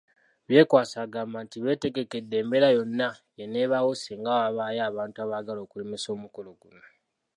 Byekwaso agamba nti beetegekedde embeera yonna eneebaawo singa wabaayo abantu abaagala okulemesa omukolo guno.